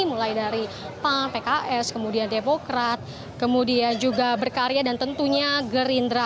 mulai dari pan pks kemudian demokrat kemudian juga berkarya dan tentunya gerindra